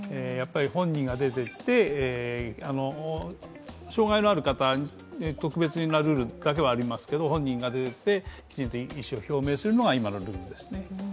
本人が出ていって、障害のある方の特別なルールがありますけど、本人が出ていって、きちんと意思を表明するのが今のルールですね。